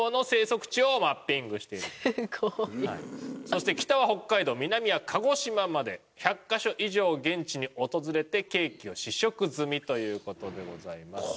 そして北は北海道南は鹿児島まで１００カ所以上現地に訪れてケーキを試食済みという事でございます。